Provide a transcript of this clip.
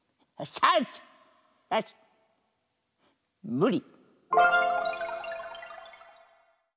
むり。